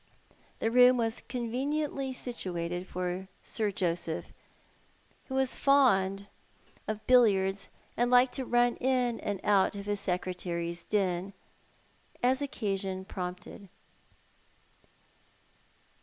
The room was conveniently situated for Sir Joseph, who was fond 68 Thou art the Alan. of billiards, and liked to run in and out of his secretary's den as occasion prompted.